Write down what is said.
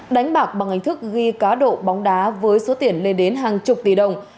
đánh bạc bằng ánh thức ghi cá đổ bóng đá với số tiền lên đến hàng chục tỷ đồng